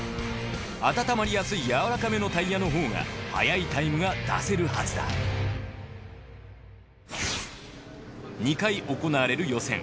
温まりやすい柔らかめのタイヤのほうが速いタイムが出せるはずだ２回行われる予選。